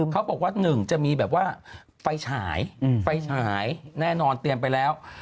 เขาบอกว่า๑จะมีแบบว่าไฟฉายไฟฉายแน่นอนเตรียมไปแล้ว